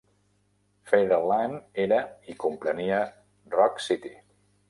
Fairyland era i comprenia Rock City.